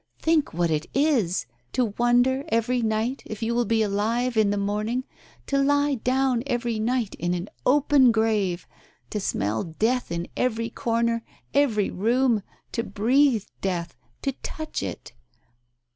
Think what it is !— to wonder every night if you will be alive in the morning, to lie down every night in an open grave — to smell death in every corner — every room — to breathe death — to touch it.